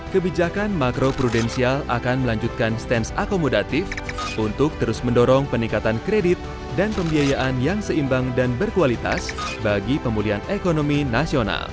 kebijakan makro prudensial akan melanjutkan stance akomodatif untuk terus mendorong peningkatan kredit dan pembiayaan yang seimbang dan berkualitas bagi pemulihan ekonomi nasional